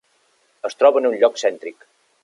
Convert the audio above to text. Es troba en un lloc cèntric.